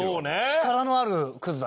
力のあるクズだね。